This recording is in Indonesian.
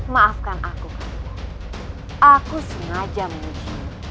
maafkan aku kakak aku sengaja menuju